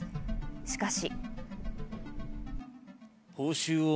しかし。